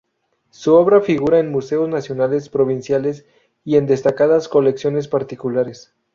Su obra figura en museos nacionales, provinciales y en destacadas colecciones particulares.